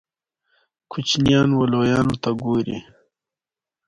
الماري د رسمونو او انځورونو ساتلو لپاره ده